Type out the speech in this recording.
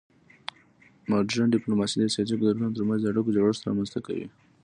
مډرن ډیپلوماسي د سیاسي قدرتونو ترمنځ د اړیکو جوړښت رامنځته کوي